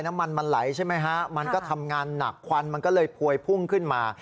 น้ำมันมันไหลใช่ไหมฮะมันก็ทำงานหนักควันมันก็เลยพวยพุ่งขึ้นมา